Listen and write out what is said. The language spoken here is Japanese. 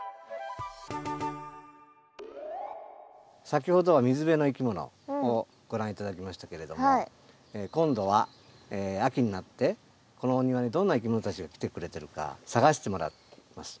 先ほどは水辺のいきものをご覧頂きましたけれども今度は秋になってこのお庭にどんないきものたちが来てくれてるか探してもらいます。